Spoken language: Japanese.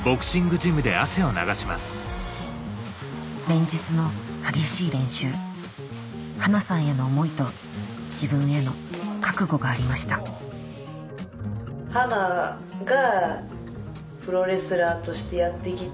連日の激しい練習花さんへの思いと自分への覚悟がありましたもありますね。